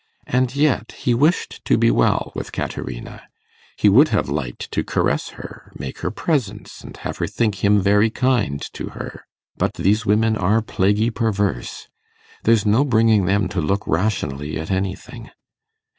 And yet he wished to be well with Caterina. He would have liked to caress her, make her presents, and have her think him very kind to her. But these women are plaguy perverse! There's no bringing them to look rationally at anything.